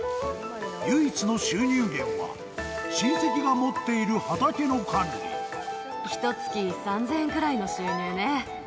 唯一の収入源は、親戚が持っていひとつき３０００円くらいの収入ね。